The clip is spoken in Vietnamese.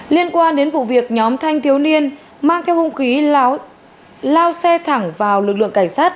liên quan đến vụ việc nhóm thanh thiếu niên mang theo hung khí lao xe thẳng vào lực lượng cảnh sát